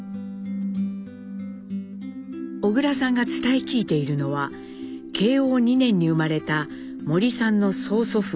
小倉さんが伝え聞いているのは慶応２年に生まれた森さんの曽祖父森内才